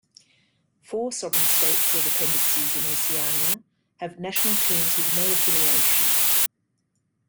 Four sovereign states or dependencies in Oceania have national teams with no affiliation.